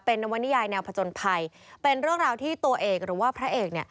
เป็นนวนิยายแนวผจญภัยเป็นเรื่องราวที่ตัวเอกหรือว่าพระเอกเนี่ย